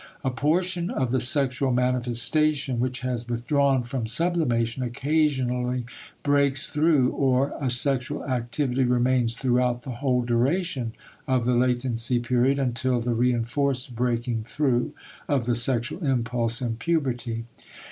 A portion of the sexual manifestation which has withdrawn from sublimation occasionally breaks through, or a sexual activity remains throughout the whole duration of the latency period until the reinforced breaking through of the sexual impulse in puberty.